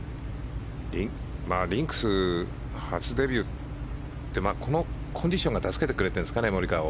リンクス初デビューってこのコンディションが助けてくれているんですかねモリカワを。